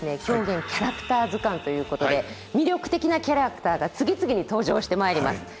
「狂言キャラクター図鑑」ということで魅力的なキャラクターが次々に登場してまいります。